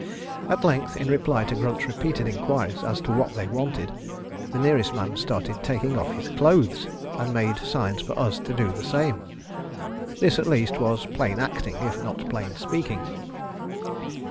At length, in reply to Grunt's repeated inquiries as to what they wanted, the nearest man started taking off his clothes, and made signs for us to do the same. This, at least, was plain acting if not plain speaking.